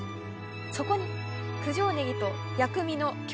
そこに九条ネギと薬味の京